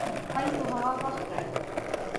خلکو هغه خوښ کړ.